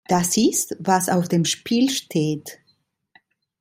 Das ist, was auf dem Spiel steht.